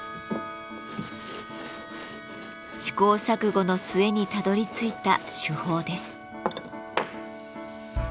試行錯誤の末にたどりついた手法です。